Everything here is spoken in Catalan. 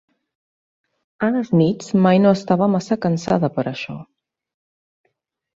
A les nits mai no estava massa cansada per a això.